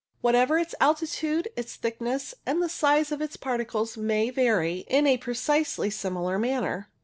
Whatever its altitude, its thickness and the size of its particles may vary in a precisely similar manner.